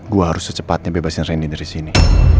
gue harus secepatnya bebasin rendy dari sini